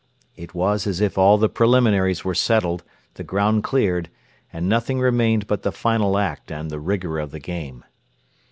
It was as if all the preliminaries were settled, the ground cleared, and nothing remained but the final act and 'the rigour of the game.'